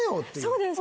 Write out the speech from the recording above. そうです。